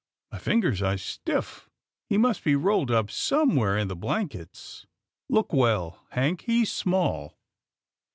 My fingers are stiff. He must be rolled up somewhere in the blankets. Look well, Hank — he's small."